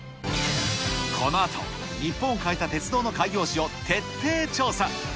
このあと、日本を変えた鉄道の開業史を徹底調査。